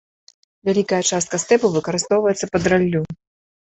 Вялікая частка стэпу выкарыстоўваецца пад раллю.